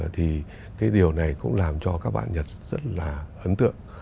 thì cái điều này cũng làm cho các bạn nhật rất là ấn tượng